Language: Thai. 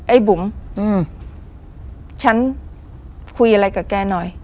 ไอ้บุ๋มฉันคุยอะไรกับแกหน่อย